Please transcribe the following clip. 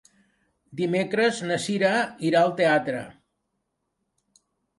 Dimecres na Cira irà al teatre.